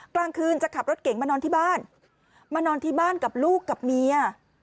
กลางคืนจะขับรถเก๋งมานอนที่บ้านมานอนที่บ้านกับลูกกับเมีย